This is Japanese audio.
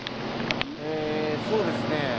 えそうですね